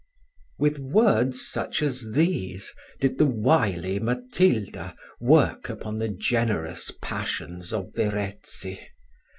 With words such as these did the wily Matilda work upon the generous passions of Verezzi.